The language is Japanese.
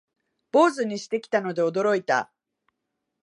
坊主にしてきたので驚いた